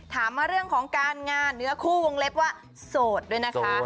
ถามมาเรื่องของการงานเนื้อคู่วงเล็บว่าโสดด้วยนะคะ